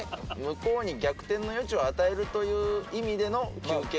向こうに逆転の余地を与えるという意味での休憩っすね